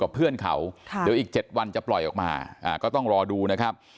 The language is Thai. เพื่อนเขาเดี๋ยวอีก๗วันจะปล่อยออกมาก็ต้องรอดูนะครับ